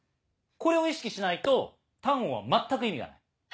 これを意識しないと短音は全く意味がない。